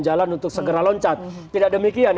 jalan untuk segera loncat tidak demikian